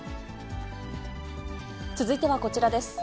続いてはこちらです。